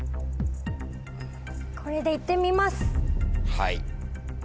はい。